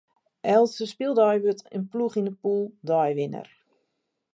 Elke spyldei wurdt in ploech yn de pûle deiwinner.